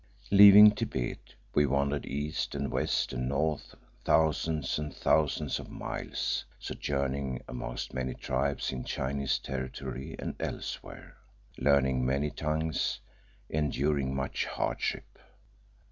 Leaving Thibet, we wandered east and west and north, thousands and thousands of miles, sojourning amongst many tribes in Chinese territory and elsewhere, learning many tongues, enduring much hardship.